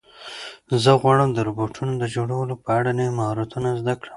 زه غواړم د روبوټونو د جوړولو په اړه نوي مهارتونه زده کړم.